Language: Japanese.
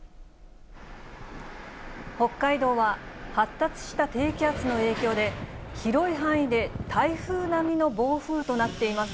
北海道は発達した低気圧の影響で、広い範囲で台風並みの暴風となっています。